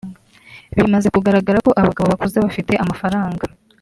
Bimaze kugaragara ko abagabo bakuze bafite amafaranga